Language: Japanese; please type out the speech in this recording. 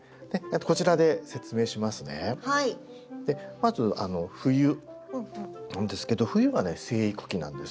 まず冬なんですけど冬はね生育期なんです。